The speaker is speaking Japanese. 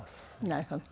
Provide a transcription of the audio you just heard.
なるほど。